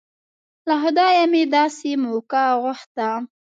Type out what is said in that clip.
له خدايه مې داسې موقع غوښته.